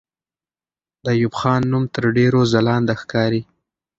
د ایوب خان نوم تر ډېرو ځلانده ښکاري.